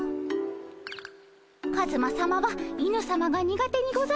カズマさまは犬さまが苦手にございますからねえ。